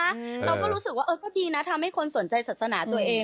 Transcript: เราก็รู้สึกว่าเออก็ดีนะทำให้คนสนใจศาสนาตัวเอง